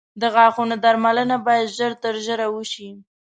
• د غاښونو درملنه باید ژر تر ژره وشي.